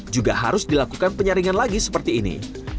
juga harus dilakukan penyaringan lagi seperti ini